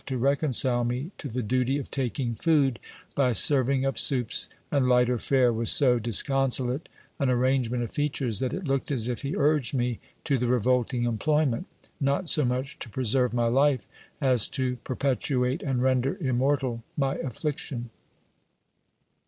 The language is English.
393 to reconcile me to the duty of taking food, by serving up soups and lighter fare with so disconsolate an arrangement of features that it looked as if he urged me to the revolting employment, not so much to preserve my life, as to perpetuate and render immortal my affliction.